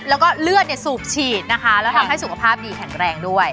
แล้วก็เลือดสูบฉีดนะคะแล้วทำให้สุขภาพดีแข็งแรงด้วย